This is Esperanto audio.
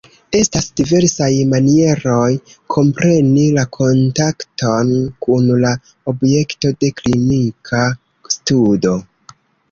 Estas diversaj manieroj kompreni la kontakton kun la objekto de klinika studo.